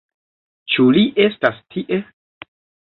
Ĉu li estas tie?